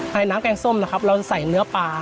น้ำแกงส้มนะครับเราจะใส่เนื้อปลา